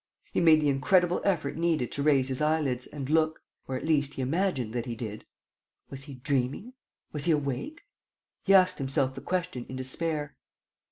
He made the incredible effort needed to raise his eyelids and look ... or, at least, he imagined that he did. Was he dreaming? Was he awake? He asked himself the question in despair.